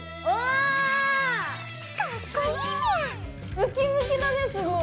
ムキムキだねすごい。